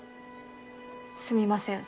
すみません